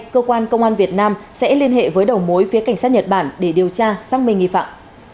cơ quan công an việt nam sẽ liên hệ với đầu mối phía cảnh sát nhật bản để điều tra xác minh nghi phạm